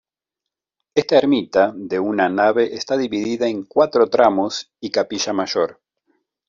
Esta ermita de una nave está dividida en cuatro tramos y capilla mayor.